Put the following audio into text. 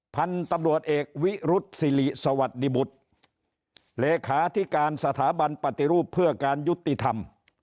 พันธุ์ตำรวจเอกวิรุษศิริสวัสดิบุตรเลขาธิการสถาบันปฏิรูปเพื่อการยุติธรรม